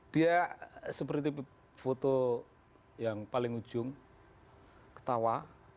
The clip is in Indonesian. dia seperti foto yang paling ujung ketawa